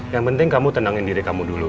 yang penting kamu tenangin diri kamu dulu